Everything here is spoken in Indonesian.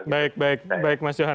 baik baik mas johan